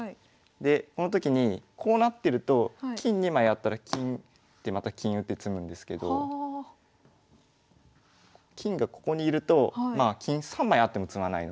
でこの時にこうなってると金２枚あったら金また金打って詰むんですけど金がここにいると金３枚あっても詰まないので。